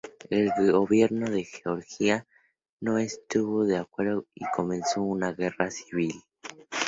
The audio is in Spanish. El gobierno de Georgia no estuvo de acuerdo y comenzó una guerra civil.